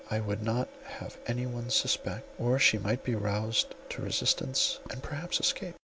I would not have any one suspect, or she might be roused to resistance, and perhaps escape.